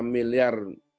satu enam miliar rupiah